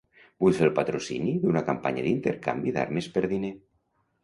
Vull fer el patrocini d'una campanya d'intercanvi d'armes per diner.